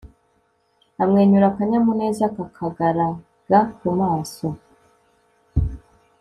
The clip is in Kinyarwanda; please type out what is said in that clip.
amwenyura akanyamuneza kakagaraga kumaso